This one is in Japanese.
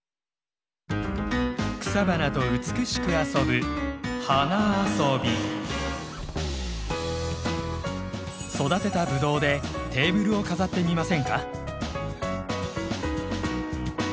草花と美しく遊ぶ育てたブドウでテーブルを飾ってみませんか？